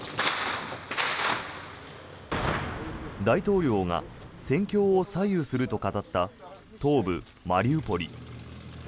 大統領が戦況を左右すると語った東部マリウポリ。